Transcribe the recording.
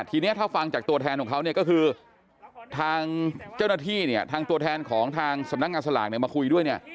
ทีนี้ถ้าฟังจากตัวแทนของเขาเนี่ยก็คือทางเจ้าหน้าที่เนี่ยทางตัวแทนของทางสำนักงานสลากเนี่ยมาคุยด้วยเนี่ย